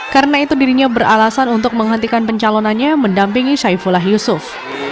karena itu dirinya beralasan untuk menghentikan pencalonannya mendampingi saifuloh yusuf